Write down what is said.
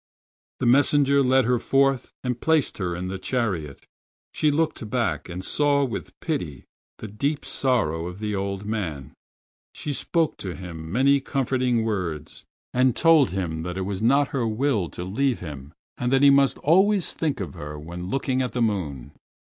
The messenger led her forth and placed her in the chariot. She looked back, and saw with pity the deep sorrow of the old man. She spoke to him many comforting words, and told him that it was not her will to leave him and that he must always think of her when looking at the moon.